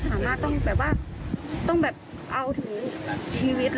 เพราะว่าแค่ร้อยสองร้อยเขายังมาตามถึงที่บ้าน